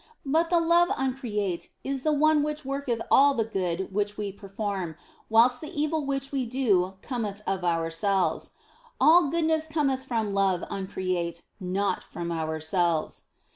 But the love uncreate is the one which worketh 132 THE BLESSED ANGELA all the good which we perform, whilst the evil which we do cometh of ourselves. All goodness cometh from love uncreate, not from ourselves.